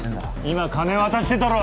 今金渡してたろ。